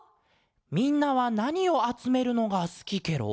みんなはなにをあつめるのがすきケロ？